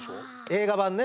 映画版ね。